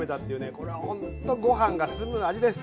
これはほんとご飯が進む味です。